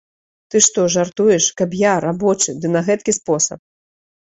Ты што, жартуеш, каб я, рабочы, ды на гэткі спосаб.